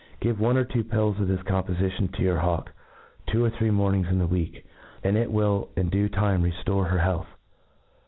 Give one or two pills of this compofi tion to your hawk two or three mornings in the week ; and it will in du9 time rcftore her , health.